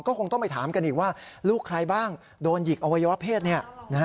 คงต้องไปถามกันอีกว่าลูกใครบ้างโดนหยิกอวัยวะเพศ